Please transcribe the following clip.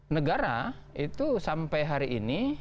negara itu sampai hari ini